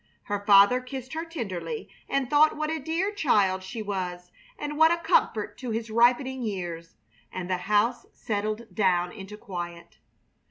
Her father kissed her tenderly and thought what a dear child she was and what a comfort to his ripening years; and the house settled down into quiet.